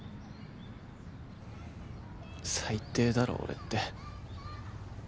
最低だろ俺って。